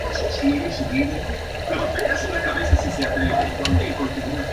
Daños respiratorios permanentes son poco usuales.